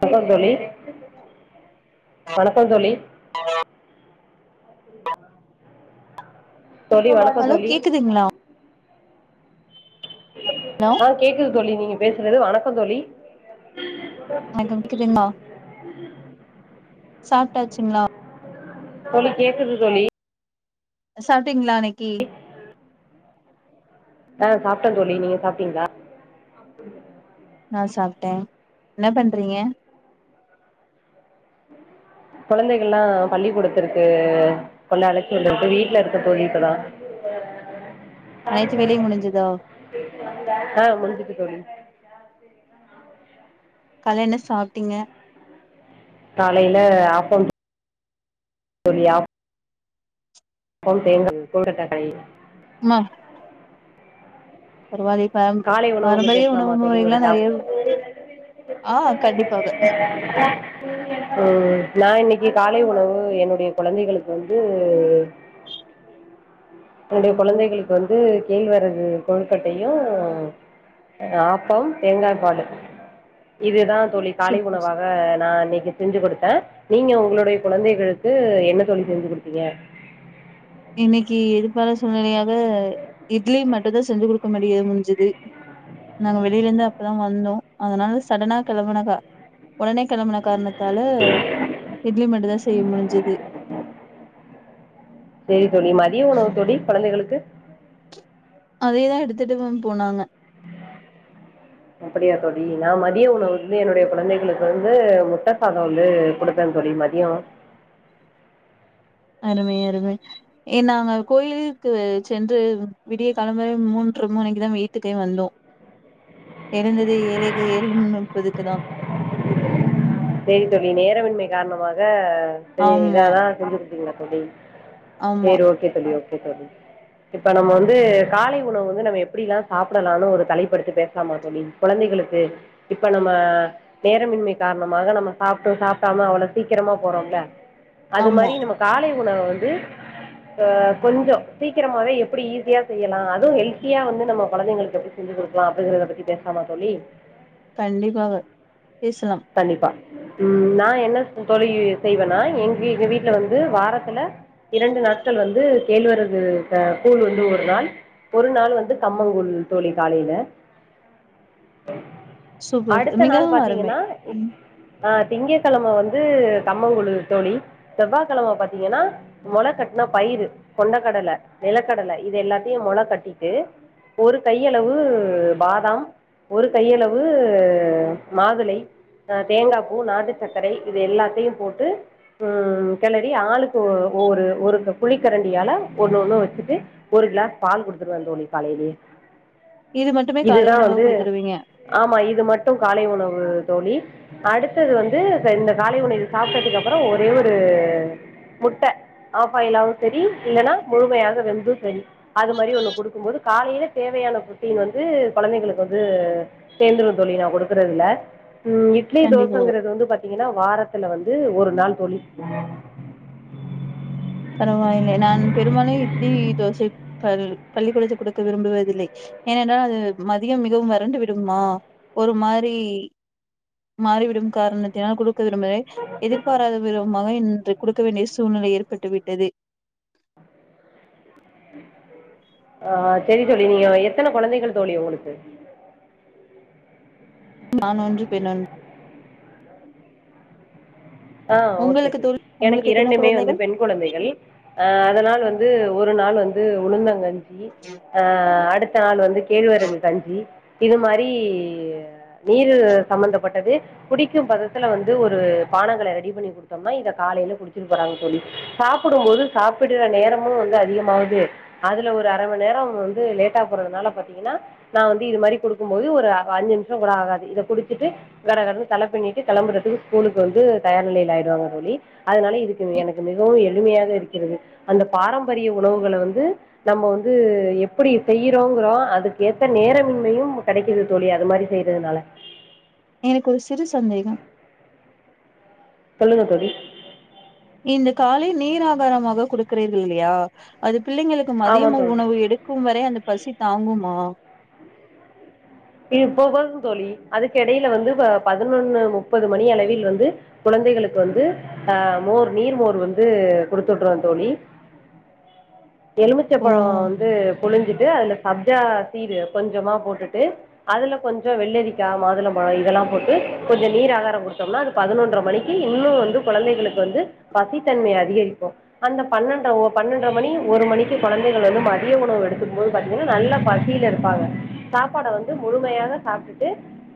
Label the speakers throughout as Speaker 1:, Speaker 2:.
Speaker 1: வணக்கோ தோழி வணக்கோ தோழி தோழி வணக்கோ
Speaker 2: ஹலோ
Speaker 1: தோழி
Speaker 2: கேக்குதுங்களா ஹலோ
Speaker 1: ஆஹ் கேக்குது தோழி நீங்க பேசுறது வணக்கோ தோழி
Speaker 2: வணக்கம் கேக்குதுங்ளா சாப்டாச்சுங்ளா
Speaker 1: தோழி கேக்குது தோழி
Speaker 2: சாப்டீங்ளா இன்னைக்கி
Speaker 1: ஆஹ் சாப்ட்டேன் தோழி நீங்க சாப்ட்டீங்ளா
Speaker 2: நான் சாப்ட்டேன் என்ன பண்றீங்க
Speaker 1: குழந்தைகள்லாம் பள்ளிக்கூடத்திர்க்கு செல்ல அழைச்சு வந்தாச்சு வீட்ல இருக்கே தோழி இப்பதா
Speaker 2: அனைத்து வேலையு முடிஞ்சதோ
Speaker 1: ஆஹ் முடுஞ்சுச்சு தோழி [unintelligible]
Speaker 2: காலேல என்ன சாப்ட்டீங்க
Speaker 1: காலேல ஆப்பம் [unintelligible] போம் தேங்காய் [unintelligible]
Speaker 2: ம்ம பரவால்லியே
Speaker 1: காலை உணவ பத்தி பேசலாமா தோழி ஒரு டாப்
Speaker 2: நெறைய ஆ கண்டிப்பாக
Speaker 1: உம் நான் இன்னைக்கு கு காலை உணவு என்னுடைய குழந்தைகளுக்கு வந்து என்னுடைய குழந்தைகளுக்கு வந்து கேழ்வரகு கொழுக்கட்டையு ஆப்பம் தேங்காய்ப்பாலு இதுதான் தோழி காலை
Speaker 2: சூப்பர்
Speaker 1: உணவாக நான் இன்ன செஞ்சு குடுத்தேன் நீங்க உங்களுடைய குழந்தைகளுக்கு என்ன தோழி செஞ்சு குடுத்தீங்க
Speaker 2: இன்னைக்கி எதிர்பாராத சூழ்நிலையால் து இட்லி மட்டும் தான் செஞ்சு குடுக்க முடியது முடிஞ்சது நாங்க வெளில இருந்து அப்பதான் வந்தோம் அதனால சடனா கிளம்பனா உடனே கிளம்பன காரணத்தை ல இட்லி மட்டும் தான் செய்ய முடிஞ்சது
Speaker 1: தொி மதிய உணவுத் தோழி குழந்தைகளுக்கு
Speaker 2: அதேதா எடுத்துட்டு போனாங்க
Speaker 1: அப்டியா தோழி நா மதியம் உணவு வந்து என்னுடைய குழந்தைகளுக்கு வந்து முட்ட சாதம் வந்து குடுத்தே தோழி மதியம்
Speaker 2: [unintelligible] அரும ஏ நாங்க கோயிலுக்கு சென்று விடிய காலம்பற மூன்று மணிக்குதா வீட்டுகே வந்தோ எழுந்தது ஏழகே ஏழு முப்பதுக்கு தா
Speaker 1: செரி தோழி நேரமின்மை காரணமாக அ
Speaker 2: ஆமா,
Speaker 1: இதாதான் செஞ்சி கொடுத்தா ங்க தோழி
Speaker 2: ஆமா,
Speaker 1: சேரி ஓகே தம்பி ஓக் [unintelligible] இப்ப நம்ம வந்து காலை உணவு வந்து எப்டிலாம் சாப்பிடலாம்னு ஒரு தலைப்பு எடுத்து பேசலாமா தோழி குழந்தைகளுக்கு இப்ப நம்ம நேரமின்மை காரண உங்க மக நம்ம சாப்ட்டு சாப்டாம அவ்ளோ சீக்கிரமா போறோம்ல அது
Speaker 2: ஆமா.
Speaker 1: மாரி நம்ம காலை உணவ வந்து ஆஹ் கொஞ்சம் சீக்கிரமாவே எப்டி ஈஸியா செய்யலா அது ஹெல்த்தியா வந்து நம்ம குழந்தைங்ளுக்கு எப்டி செஞ்சு குடுக்லா அப்டிங்கறத பத்தி பேசலாமா தோழி
Speaker 2: கண்டிபாக பேசலா
Speaker 1: கண்டிபா உம் நா என்ன தோழி செய்வேனா எங் எங்க வீட்ல வந்து வாரத்துல இரண்டு நாட்கள் வந்து கேழ்விரகு ச கூழ் [unintelligible] ஒரு நாள் வந்து கம்மங்கூழ் தோழி காலைல
Speaker 2: சூப்பர் மிகவும் அருமை ம்
Speaker 1: ஆஹ் திங்ககெழம வந்து கம்மங்கூழு தோழி செவ்வாகெழம பாத்தீங்கனா மொளகட்ன பயிறு கொண்டகடல நிலகடல இது எல்லாத்தயு மொளகட்டிடு ஆஹ் தேங்கா பூ நாட்டு சக்கரை இது எல்லாத்தயு போட்டு உம் கெளறி ஆளுக்கு ஒ ஒரு ஒரு குளிகரண்டியால ஒன்னொன்னு வெச்சுட்டு ஒரு க்ளாஸ் பால் குடுத்துருவன் தோழி காலேலியே
Speaker 2: இது மட்டுமே காலை
Speaker 1: இதுதா
Speaker 2: உணவா
Speaker 1: வந்து
Speaker 2: குடுத்துருவீங்க.
Speaker 1: ஆமா இது மட்டு காலை உணவு தோழிப அடுத்தது வந்து இந்த காலை உணவு சாப்டதுக்கு அப்றொ ஒரே ஒரு முட்ட ஆப்பாய்லாவு செரி இல்லனா முழுமையாக வெந்து செரி அது மாரி ஒண்ணு குடுக்கும்போது காலைல தேவையான ப்ரொட்டீன் வந்து கொழந்தைகளுக்கு வந்து சேர்ந்துடு தோழி நா குடுக்கறதுல உம் இட்லி
Speaker 2: கண்டிப்பாக.
Speaker 1: தோசங்கறது வந்து பாத்தீங்கனா வாரத்துல வந் து ஒரு நாள் தோழி
Speaker 2: பரவால்ல நான் பெரும்பாலும் இட்லி தோசை பள் பள்ளிக்கூடச்ச கொடுக்க விரும்புவதில்லை ஏனென்றால் மதியம் மிகவும் வறண்டு விடுமா ஒரு மாறி மாறிவிடும் காரணத்தினால் கொடு [unintelligible] எதிர்பாராத விதமாக இன்று கொடுக்க வேண்டிய சூழ்நிலை பட்டுவிட் [unintelligible]
Speaker 1: ஆஹ் செரி தோழி நீங்க எத்தன குழந்தைகள் தோழி உங்ளுக்கு
Speaker 2: ஆன்றொன்று பெண்ணொன்
Speaker 1: ஆஹ் ஓகே தோழி எனக்கு
Speaker 2: உங்களுக்கு எத்தன
Speaker 1: இரண்டுமே வந்து
Speaker 2: குழந்தைகள்
Speaker 1: பெண் குழந்தைகள் ஆஹ் அதனால் வந்து ஒரு நாள் வந்து உளுந்தங் கஞ் சி ஆஹ் அடுத்த நாள் வந்து கேள்வரகு கஞ்சி இது மாரி நீரு சம்மந்தபட்டது குடிக்கும் பதத்துல வந்து ஒரு பானங் கள ரெடி பண்ணி குடுத்தோம்னா காலில குடுச்சுட்டு போறாங்க தோழி சாப்புடும்போது சாப்டுற நேரமு வந்து அதிகமாது அதுல ஒரு அர மன் நேரம் வந்து லேட்டா போறதுனால பாத்திங்கனா நா வந்து இது மாரி குடுக்கும்போது ஒரு அஞ்சு நிம்ஸொ கூட ஆகாது இது குடிச்சுட்டு கடகடனு தல பிண்ணிட்டு கெளம்றது ஸ்கூல்கு வந்து தயார் நிலைல ஆயிர்வாங்க தோழி அதனால இதுக்கு எனக்கு மிகவு எளிமையாக இருக்கிறது அந்த பாரம்பரிய உணவுகள வந்து நம்ம வந்து எப்படி செய்யறோங்றோ அதுக்கு ஏத்த நேரமின்மையும் கிடைக்குது தோழி அது மாரி செய்றதுனால
Speaker 2: எனக்கு ஒரு சிறு சந்தேகம்
Speaker 1: சொல்லுங்க தோழி
Speaker 2: இந்த காலை நீர் ஆகாரமாக கொடுக்றீர்கள் இல்லயா அதுக் பிள்ளைங்களுக்கு
Speaker 1: ஆமா
Speaker 2: மதியம்
Speaker 1: தோழி
Speaker 2: உணவு எடுக்கும் வரை அந்தப் பசி தாங்குமா
Speaker 1: இப்போ போதும் தோழி அதுக்கு எடையில வந்து பதினொன்னு முப்பது மணி அளவில் வந்து குழந்தைகளுக்கு வந்து அ மோர் நீர்மோர் வந்து கொடுத்துட்ரோ தோழி
Speaker 2: ஓ
Speaker 1: எலுமிச்சைப்பழோ வந்து புழிஞ்சிட்டு அதுல சப்ஜா சீட் கொஞ்சமா போட்டுட்டு அதுல கொஞ்சோ வெள்ளரிக்கா மாதுளம்பழம் இதெல்லாம் போட்டு கொஞ்சோ நீர் ஆகாரம் கொடுத்தோம்னா அது பதினொன்ற மணிக்கு இன்னும் வந்து கொழந்தைகளுக்கு வந்து பசித்தன்மை அதிகரிக்கோ அந்த பன்னெண்டு பன்னென்ரை மணிக்கு ஒரு மணிக்கு கொழந்தைகள் வந்து மத்திய உணவு எடுதுக்கும் போது பாத்தீங்கன்னா நல்லா பசியில இருப்பாங்க சாப்பாட்ட வந்து முழுமையாக சாப்டுட்டு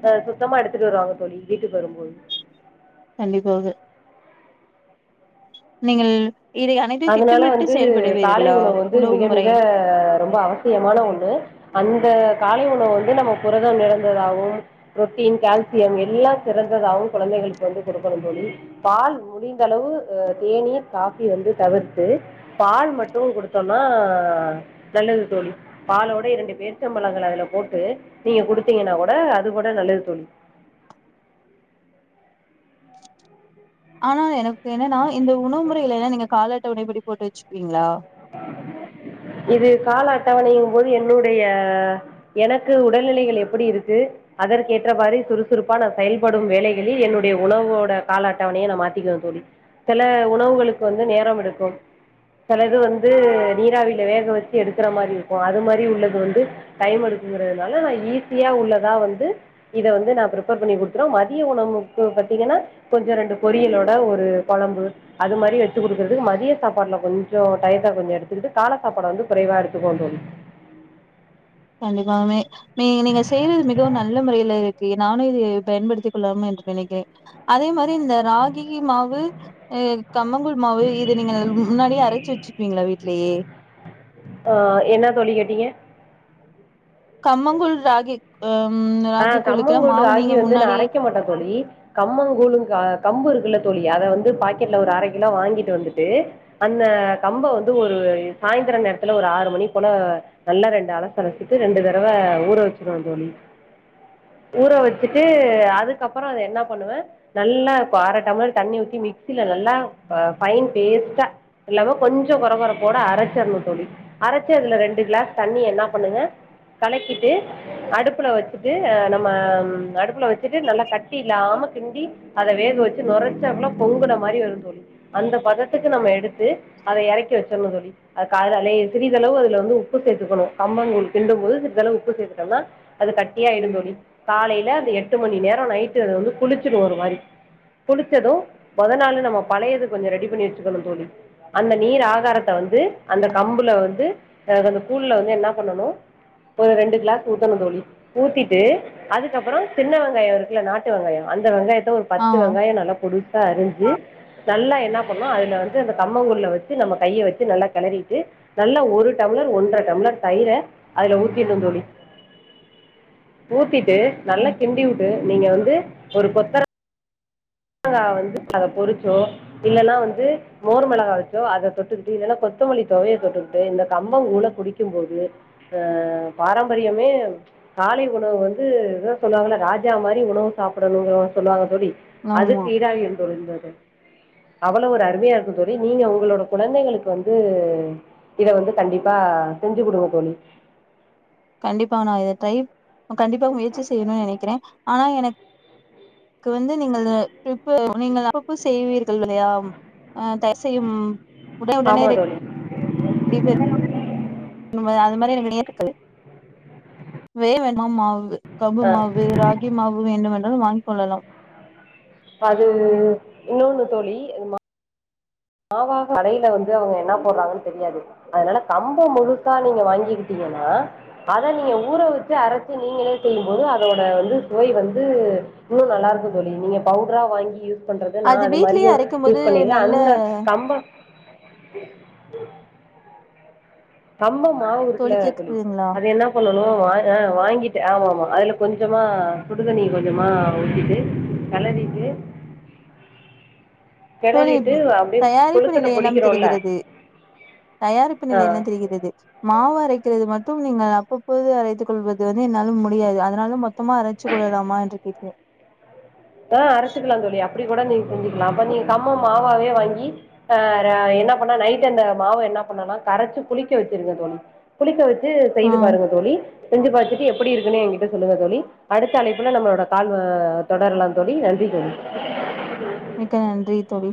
Speaker 1: ஆ சுத்தமா எடுத்துட்டு வருவாங்க தோழி வீட்டுக்கு வரும்போது
Speaker 2: கண்டிப்பாகா நீங்கள் இதை அனைத்தையும்
Speaker 1: அதனால
Speaker 2: திட்டமிட்டு
Speaker 1: வந்து காலை
Speaker 2: செயல்படுவீர்களா
Speaker 1: உணவு வந்து மிக
Speaker 2: முறை
Speaker 1: மிக ரொம்ப அவசியமான ஒன்னு அந்த இந்த காலை உணவு வந்து நம்ம புரதம் நிரைந்ததாகவும் புரோட்டீன் கால்சியம் எல்லாம் சிறந்ததாகவு கொழந்தைகளுக்கு வந்து குடுக்கனும் தோழி பால் முடிந்தளவு தேனீர் காஃபி வந்து தவிர்த்து பால் மட்டும் கொடுத்தோம்னா நல்லது தோழி பாலோட இரண்டு பேச்சம்பழங்கள அதுல போட்டு நீங்க குடுத்தீங்கன்னா கூட அது கூட நல்லது தோழி
Speaker 2: ஆனா எனக்கு என்னன்னா இந்த உணவு முறைகள் எல்லா நீங்க காலா அட்டைவணைப்படி போட்டு வெச்சுப்பீங்களா?
Speaker 1: இது கால அட்டவணையிங்கும் போது என்னுடைய எனக்கு உடல் நிலைகள் எப்படி இருக்கு அதற்கு எற்றவாரு சுறுசுறுப்பா நா செயல்படும் வேலைகளில் என்னுடைய உணவோட கால அட்டவணையை நான் மாத்தக்குவேன் தோழி சில உணவுகளுக்கு வந்து நேரம் எடுக்கும் சிலது இது வந்து இது நீராவில வேக வெச்சி எடுக்குற மாரி இருக்கும் அது மாரி உள்ளது வந்து டைம் எடுக்குங்கறதுனால நான் ஈஸியா உள்ளதா வந்து இத வந்து நா ப்ரிப்பேர் பண்ணி குடுத்துவே மதிய உணக்கு பாத்தீங்கன்னா கொஞ்சோ ரெண்டு பொரியலோட ஒரு குழம்பு அது மாரி வெச்சு குடுக்கறதுக்கு மத்திய சாப்பாட்ல கொஞ்சோ டையத்த கொஞ்சோ எடுத்துக்கிட்டு காலை சாப்பாட வந்து குறைவா எடுத்துக்குவோ தோழி
Speaker 2: கண்டிப்பாவுமே நீ நீங்க செய்யறது மிகவும் நல்ல முறையில இருக்கு நானும் இதை பயன்படுத்திக் கொள்ளலாம் என்று நினைக்கிறேன் அதே மாரி இந்த ராகி மாவு அ கம்மங்கூழ் மாவு இது நீங்கள் முன்னாடி அரைச்சி வெச் வெச்சுக்குவீங்களா வீட்லயே
Speaker 1: ஆ என்ன தோழி கேட்டிங்க?
Speaker 2: கம்மங்கூழ் ராகி ம் ராகி
Speaker 1: ஆஹ்
Speaker 2: கூழுக்கெல்லா
Speaker 1: கம்மங்கழ்
Speaker 2: மாவு
Speaker 1: ராகி
Speaker 2: நீங்க
Speaker 1: வந்து நான்
Speaker 2: முன்னாடி
Speaker 1: அரைக்க மாட்டே தோழி கம்மங்கூழும் அ கம்பு இருக்குல்ல தோழி அத வந்து பாக்கெட்ல ஒரு அரை கிலோ வாங்கிட்டு வந்துட்டு அந்த கம்ப வந்து ஒரு சாயந்திரம் நேரத்துல ஒரு ஆறு மணி போல நல்லா ரெண்டு அலச அலசிட்டு ரெண்டு தடவ ஊற வெச்சிருவே அ தோழி ஊற வெச்சிட்டு அதுக்கப்புறம் அத என்ன பண்ணுவே நல்லா அர டம்ளர் தண்ணி ஊத்தி மிக்சியில நல்லா ஃபைன் பேஸ்ட்டா இல்லாம கொஞ்சோ குற குறை போட அரைச்சரனும் தோழி அரைச்சி அதுல ரெண்டு கிளாஸ் தண்ணி என்ன பண்ணுங்க கலக்கிட்டு அடுப்புல வெச் இதே நம்ம ம் அடுப்புல வெச்சுட்டு நல்லா கட்டி இல்லாம கிண்டி அத வேக வெச்சு நொறைச்சாப்போல பொங்குற மாரி வரும் தோழி அந்த பதத்துக்கு நம்ம எடுத்து அத இறக்கி வெச்சின்னும் தோழி அது காலைல எப்டி சிறிதளவு அதுல வந்து உப்பு சேத்துக்கனும் கம்பங்கூழ் கிண்டும் போது சிறிதளவு உப்பு சேத்துட்டோம்னா அது கட் யாயிடும் தோழி காலையில அந்த எட்டு மணி நேரோ நைட்டு அத வந்து புளிச்சிடும் ஒரு மாரி புளிச்சதும் முத நாளு நம்ம பழையது கொஞ்சம் ரெடி பண்ணி வெச்சுக்கனும் தோழி அந்த நீர் ஆகாரத்த வந்து அந்த கம்புல வந்து அந்த கூழ்ல வந்து என்ன பண்ணனும் ஒரு ரெண்டு கிளாஸ் ஊத்தனும் தோழி ஊத்திட்டு அதுக்கப்புறோ சின்ன வெங்காயோ இருக்குல்ல நாட்டு வெங்காயோ அந்த வெங்காயத்த ஒரு
Speaker 2: ஆ
Speaker 1: பத்து வெங்காயோ நல்லா பொடிசா சா அரிஞ்சு நல்லா என்ன பண்ணு அதுல வந்து அந்த கம்மங்கூழ்ல வெச்சு நம்ம கைய வெச்சு நல்லா கிளறிட்டு நல்லா ஒரு டம்ளர் ஒன்ரை டம்ளர் தயிரை அதுல ஊதிட்னு தோழி ஊத்திட் டு நல்லா
Speaker 2: கண்
Speaker 1: கிண்டி விட்டு நீங்க வந்து ஒரு கொத்தர வரங்கா வந்து அத பொறிச்சோ இல்லனா வந்து மோர்மிளகாய் வெச்சோ அத தொட்டுக்கிட்டு இல்லன்னா கொத்தமல்லி தொவையல் தொட்டுக்கிட்டு இந்த கம்பம் கூழ குடிக்கும் போது அஹ் பாரம்பரியமே காலை உணவு வந்து ஏதே சொல்லுவாங்கல்ல ராஜா மாரி உணவு சாப்புடனுன்னு சொல்லுவாங்க தோழி
Speaker 2: ஆமா.
Speaker 1: அதுக்கு இட இருக்கும் தோழி அவ்வளவு ஒரு அருமையா இருக்கும் தோழி நீங்க உங்களோட கொழந்தைகளுக்கு வந்து இத வந்து கண்டிப்பா செஞ்சி குடுங்க தோழி
Speaker 2: கண்டிப்பா நா இத ட்ரை கண்டிப்பா முயற்சி செய்யனும் நெனைக்கிறேன் ஆனா எனக்கு வந்து நீங்கள் நீங்கள் அப்பப்போ செய்வீர்கள் இல்லையா தயார் செய்யும் உட உடனே
Speaker 1: ஆமாம் தோழி
Speaker 2: [inaudible] அது மாரி எனக்கு [unintelligible] வே வேணும்மாவு கபு மாவு ராகி மாவு வேண்டும் வாங்கிக் கொள்ளலாம்
Speaker 1: அது இன்னொன்னு தோழி மாவாக கடைல வந்து அவங்க என்ன போடுறாங்கன்னு தெரியாது அதனால கம்ப முழுசா நீங்க வாங்கிகிட்டீங்கன்னா அத நீங்க ஊற வச்சி அரைச்சி நீங்களே செய்யும்போது அதோட வந்து சுவை வந்து இன்னு நல்லா இருக்கு தோழி நீங்க பவுட்ரா வாங்கி யூஸ் பண்றது நா அது
Speaker 2: வீட்லயே
Speaker 1: மாரியு
Speaker 2: அரைக்கும் போது
Speaker 1: யூஸ் பண்ணிருக்கே
Speaker 2: நல்ல
Speaker 1: அந்த ப கம்பம் மாவு இருக்குல்ல தோழி அது என்ன பண்ணு ஆ வா ஆ வாங்கிட்டே ஆமா ஆமா அதுல கொஞ்சமா சுடுதண்ணி கொஞ்சமா ஊத்தீட்டு கெளறீட்டு
Speaker 2: தோழி தயாரிப்பு
Speaker 1: கொழுக்கட்ட
Speaker 2: நிலையெல்லாம்
Speaker 1: பொடிக்கிறோம்ல
Speaker 2: தெரிகிறது தயாரிப்பு
Speaker 1: ஆ
Speaker 2: நிலையெல்லாம் தெரிகிறது மாவு அரைக்கிறது மட் ம் நீங்கள் அப்பப்போது அரைத்துக் கொள்வது வந்து என்னாலும் முடியாது அதனாலும் மக் மொத்தமா அரைச்சி கொள்ளலாமா என்று கிட்டே
Speaker 1: ஆ அரச்சிக்கிலா தோழி அப் அப்டி கூட நீங்க செஞ்சிக்கலா அப்ப நீங்க கம்ம மாவு மாவே வாங்கி ஆ என்ன பண்ண நைட் அந்த மாவு என்ன பண்ணலா கரைச்சி புளிக்க வச்சிருங்க தோழி புளிக்க வச் வச்சி
Speaker 2: ஆ
Speaker 1: செய்து பாருங்க தோழி செஞ்சி பாத்துட்டு எப்டி இருக்குன்னு என்கிட்ட சொல்லுங்க தோழி அடுத்த அழைப்புல நம்மளோட கால் வ தொடரலா தோழி நன்றி தோழி
Speaker 2: மிக்க நன்றி தோழி